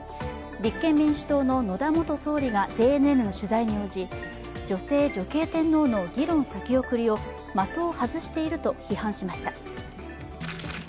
立憲民主党の野田元総理がＪＮＮの取材に応じ女性・女系天皇の議論先送りを的を外していると批判しました。